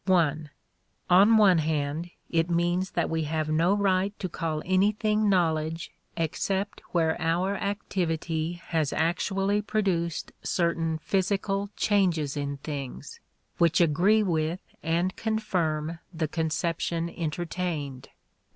(i) On one hand, it means that we have no right to call anything knowledge except where our activity has actually produced certain physical changes in things, which agree with and confirm the conception entertained.